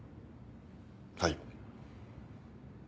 はい。